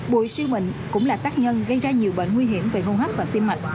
bụi siêu mịnh cũng là tác nhân gây ra nhiều bệnh nguy hiểm về hôn hấp và tim mệnh